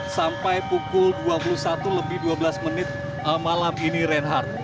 sampai pukul dua puluh satu lebih dua belas menit malam ini reinhardt